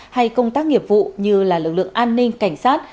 hay công tác nghiệp vụ như là lực lượng an ninh cảnh sát